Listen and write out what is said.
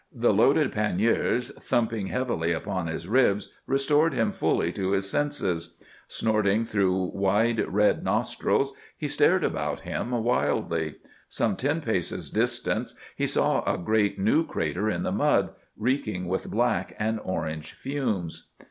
The loaded panniers thumping heavily upon his ribs restored him fully to his senses. Snorting through wide red nostrils, he stared about him wildly. Some ten paces distant he saw a great new crater in the mud, reeking with black and orange fumes.